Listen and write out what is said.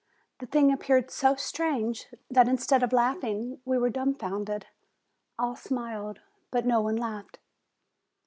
The thing appeared so strange, that, instead of laughing, we were dumbfounded; all smiled, but no one laughed.